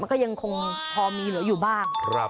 ก็ยังคงพอมีเหลืออยู่บ้าง